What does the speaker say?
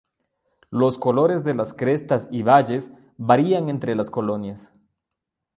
Los colores de las crestas y valles varían entre las colonias.